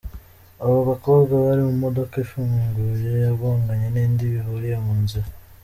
Aba bakobwa bari mu modoka ifunguye yagonganye n’indi bihuriye mu nzira.